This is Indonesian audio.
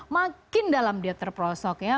makin dalam dia terperosok ya